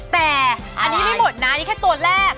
แต่อันนี้ไม่หมดนะนี่แค่ตัวแรก